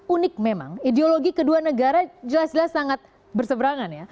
unik memang ideologi kedua negara jelas jelas sangat berseberangan ya